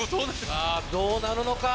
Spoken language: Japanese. さぁどうなるのか？